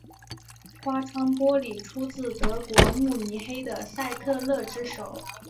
花窗玻璃出自德国慕尼黑的赛特勒之手。